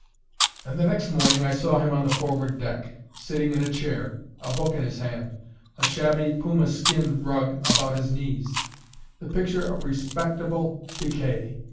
And the next morning I saw him on the forward deck, sitting in a chair, a book in his hand, a shabby puma skin rug about his knees: the picture of respectable decay.